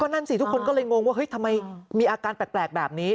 นั่นสิทุกคนก็เลยงงว่าเฮ้ยทำไมมีอาการแปลกแบบนี้